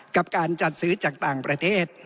กับการจัดซื้อจากต่างประเทศ